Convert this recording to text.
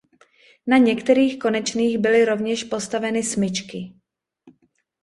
Na některých konečných byly rovněž postaveny smyčky.